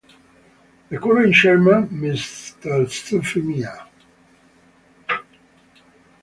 The current chairman Md Sufi Miah.